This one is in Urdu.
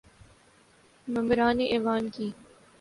ممبران ایوان کی